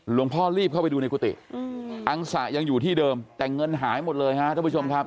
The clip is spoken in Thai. พ่อรีบเข้าไปดูในกุฏิอังสะยังอยู่ที่เดิมแต่เงินหายหมดเลยฮะท่านผู้ชมครับ